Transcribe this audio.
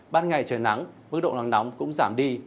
ban ngày trời nắng mức độ nắng nóng cũng giảm đi